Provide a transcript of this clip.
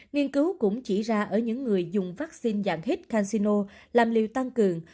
nghiên cứu cũng chỉ ra ở những người dùng vaccine dạng hít casino làm liều tăng cường